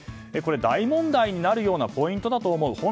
大問題になるようなポイントだと思う。